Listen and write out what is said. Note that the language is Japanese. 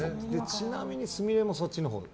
ちなみに、すみれもそっちのほう。